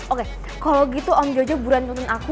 oke kalo gitu om jojo buruan nonton aku